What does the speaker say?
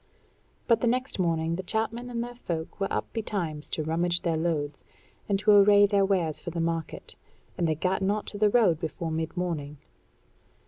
But the next morning the chapmen and their folk were up betimes to rummage their loads, and to array their wares for the market; and they gat not to the road before mid morning.